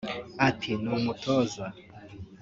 Ati “Ni umutoza